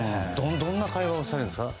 どんな会話をされるんですか？